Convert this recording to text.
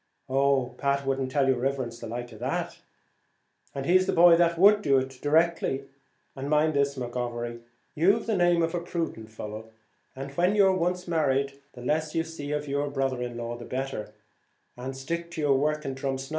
"Oh, Pat would not tell your riverence the like of that." "And he's the boy that would do it, directly. And mind this, McGovery, you've the name of a prudent fellow when you're once married, the less you see of your brother in law the better, and stick to your work in Drumsna."